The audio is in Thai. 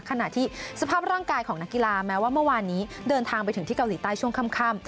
ขณะที่สภาพร่างกายของนักกีฬาแม้ว่าเมื่อวานนี้เดินทางไปถึงที่เกาหลีใต้ช่วงค่ำ